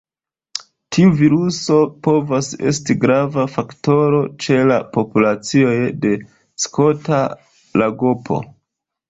Tiu viruso povas esti grava faktoro ĉe la populacioj de Skota lagopo.